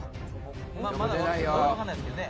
まだ分かんないっすけどね。